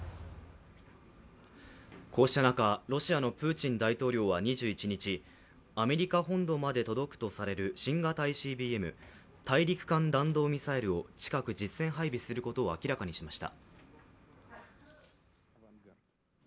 こうした中、ロシアのプーチン大統領は２１日、アメリカ本土まで届くとされる新型ＩＣＢＭ＝大陸間弾道ミサイルを近く実戦配備することを明らかにしました。